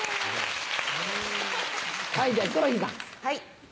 はい。